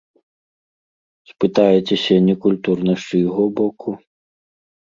Спытаецеся, некультурна з чыйго боку?